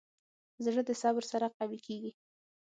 زړه د صبر سره قوي کېږي.